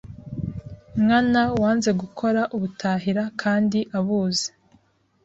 nkana wanze gukora ubutahira kandi abuzi.